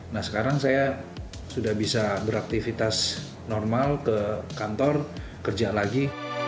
nah sekarang saya sudah bisa beraktivitas normal ke kantor kerja lagi